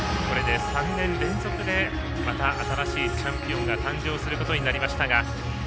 これで３年連続でまた新しいチャンピオンが誕生することになりましたが。